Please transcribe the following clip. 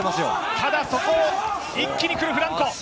ただそこを一気に来るフランコ。